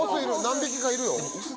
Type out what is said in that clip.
何匹かいるよ。